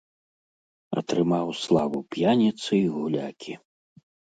Атрымаў славу п'яніцы і гулякі.